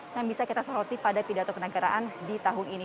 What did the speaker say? yang bisa kita soroti pada pidato kenegaraan di tahun ini